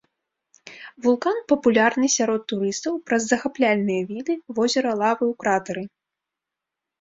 Вулкан папулярны сярод турыстаў праз захапляльныя віды возера лавы ў кратары.